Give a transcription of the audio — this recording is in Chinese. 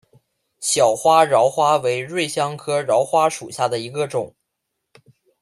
小花荛花为瑞香科荛花属下的一个种。